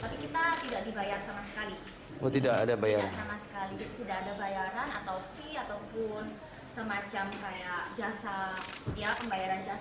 ruth stephanie mengaku tidak ada bayaran atau fee atau jasa